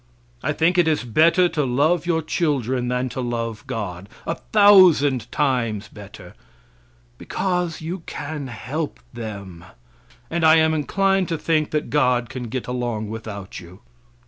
I think it is better to love your children than to love God, a thousand times better, because you can help them, and I am inclined to think that God can get along without you.